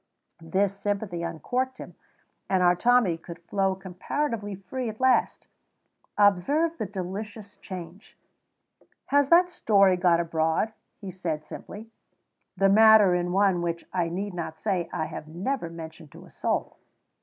This sympathy uncorked him, and our Tommy could flow comparatively freely at last. Observe the delicious change. "Has that story got abroad?" he said simply. "The matter is one which, I need not say, I have never mentioned to a soul."